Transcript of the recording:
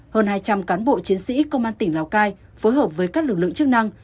hơn hai trăm linh cán bộ chiến sĩ công an tỉnh lào cai phối hợp với các lực lượng chức năng